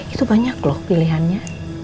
itu banyak loh pilihannya